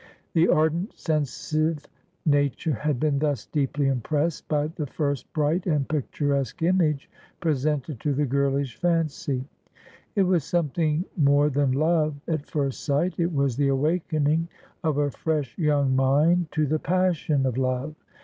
The ardent sensive nature had been thus deeply impressed by the first bright and picturesque image presented to the girlish ' God wote that Worldly Joy is none Ago.' 9 1 fancy. It was something more than love at first sight. It was the awakening of a fresh young mind to the passion of love.